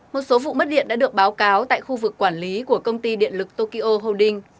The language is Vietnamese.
một số vụ mất điện đã được báo cáo tại khu vực quản lý của công ty điện lực tokyo holding